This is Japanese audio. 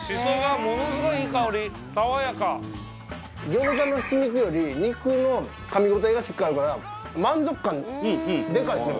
ギョーザのひき肉より肉のかみ応えがしっかりあるから満足感でかいですよ